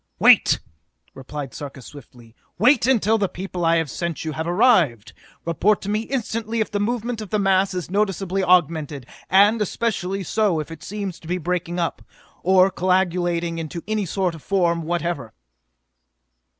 "Wait!" replied Sarka swiftly. "Wait until the people I have sent you have arrived! Report to me instantly if the movement of the mass is noticeably augmented, and especially so if it seems to be breaking up, or coagulating into any sort of form whatever!"